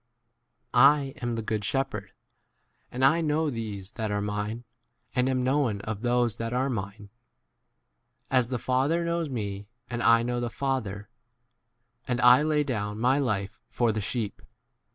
I * am the good shepherd ; and I know those that are mine, and am known of 15 those that are mine, 3 as the Fa ther knows me and I * know the Father ; and I lay down my life 16 for the sheep.